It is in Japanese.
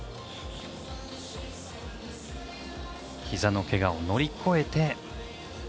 ひざのけがを乗り越えて。